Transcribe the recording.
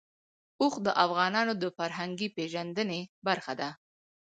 اوښ د افغانانو د فرهنګي پیژندنې برخه ده.